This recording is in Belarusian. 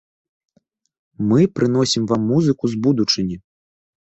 Мы прыносім вам музыку з будучыні.